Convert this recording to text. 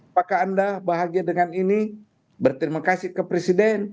apakah anda bahagia dengan ini berterima kasih ke presiden